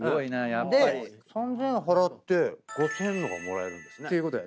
で３，０００円払って５，０００円のがもらえるんですね。